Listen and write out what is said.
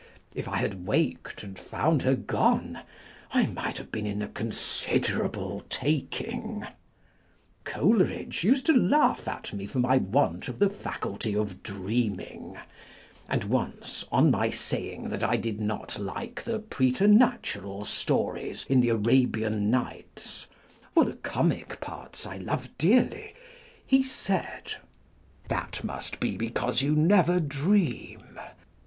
If I had waked and found her gone, I might have been in a considerable talcing. Coleridge used to laugh at me for my want of the faculty of dreaming ; and once, on my saying that I did not like the preternatural stories in the Arabian Nights (for the comic parts I love dearly), he said, " That must be because you never dream.